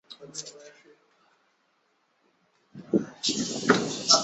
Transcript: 孙策命他截杀了曹操任命的扬州刺史严象。